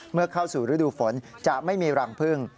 เข้าสู่ฤดูฝนจะไม่มีรังพึ่ง